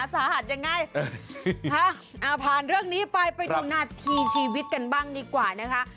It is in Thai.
สาหัสยังไงผ่านเรื่องนี้ไปไปดูหน้าที่ชีวิตกันบ้างดีกว่านะคะ